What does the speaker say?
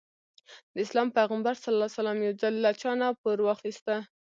د اسلام پيغمبر ص يو ځل له چانه پور واخيسته.